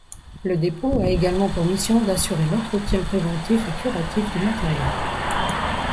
Le dépôt a également pour mission d'assurer l'entretien préventif et curatif du matériel.